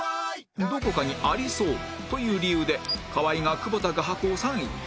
どこかにありそうという理由で河合が久保田画伯を３位に